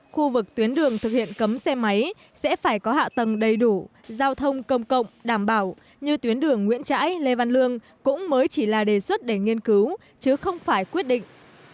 khu vực tuyến đường thực hiện cấm xe máy sẽ phải có hạ tầng đầy đủ giao thông công cộng đảm bảo như tuyến đường nguyễn trãi lê văn lương cũng mới chỉ là đề xuất để nghiên cứu chứ không phải quyết định